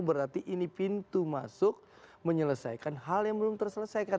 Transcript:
berarti ini pintu masuk menyelesaikan hal yang belum terselesaikan